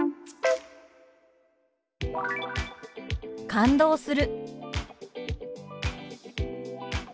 「感動する」。